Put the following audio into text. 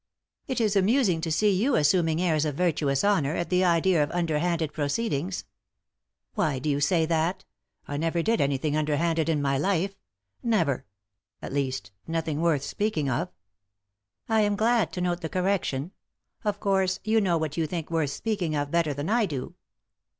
"It is amusing to see you assuming airs of virtuous honour at the idea of underhanded proceedings." " Why do you say that ? I never did anything underhanded in my life — never I At least — nothing worth speaking of I "" I am glad to note the correction. Of course, you know what you think worth speaking of better than I do